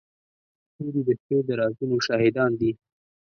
ستوري د شپې د رازونو شاهدان دي.